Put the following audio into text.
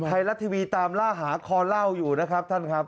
ไทยรัฐทีวีตามล่าหาคอเล่าอยู่นะครับท่านครับ